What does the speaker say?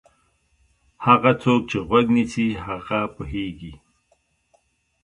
هغه څوک چې غوږ نیسي هغه پوهېږي.